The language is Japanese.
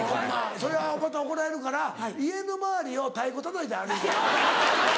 それはまた怒られるから家の周りを太鼓たたいて歩いて。